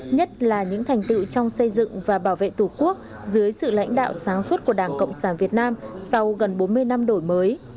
nhất là những thành tựu trong xây dựng và bảo vệ tổ quốc dưới sự lãnh đạo sáng suốt của đảng cộng sản việt nam sau gần bốn mươi năm đổi mới